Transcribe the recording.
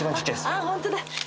あっホントだ。